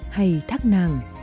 hay thác nàng